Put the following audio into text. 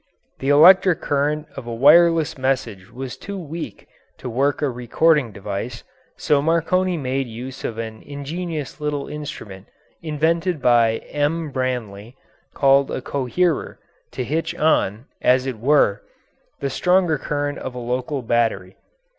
The electric current of a wireless message was too weak to work a recording device, so Marconi made use of an ingenious little instrument invented by M. Branly, called a coherer, to hitch on, as it were, the stronger current of a local battery.